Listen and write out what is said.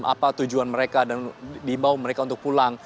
apa tujuan mereka dan dibawa mereka untuk pulang